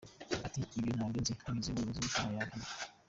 Ati “Ibyo ntabyo nzi, hagize n’umuyobozi ubikora yabihanirwa.